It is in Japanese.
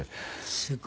すごい。